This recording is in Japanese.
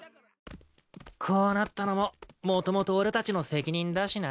こうなったのももともと俺たちの責任だしな。